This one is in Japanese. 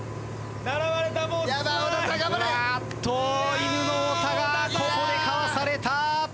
いぬの太田がここでかわされた。